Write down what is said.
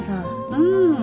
うん。